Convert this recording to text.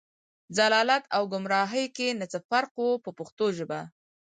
ضلالت او ګمراهۍ کې نه څه فرق و په پښتو ژبه.